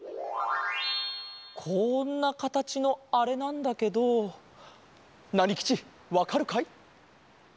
こんなかたちのあれなんだけどナニきちわかるかい？